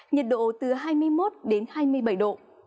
nhiệt độ từ hai mươi một hai mươi bảy độ